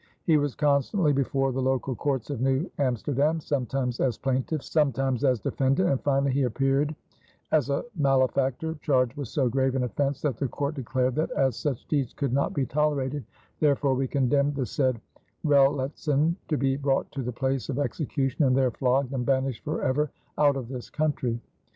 He was constantly before the local courts of New Amsterdam, sometimes as plaintiff, sometimes as defendant, and finally he appeared as a malefactor charged with so grave an offense that the court declared that, as such deeds could not be tolerated, "therefore we condemn the said Roelantsen to be brought to the place of execution and there flogged and banished forever out of this country."